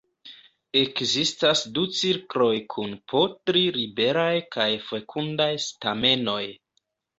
Ekzistas du cirkloj kun po tri liberaj kaj fekundaj stamenoj.